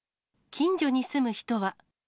近所に住む人は。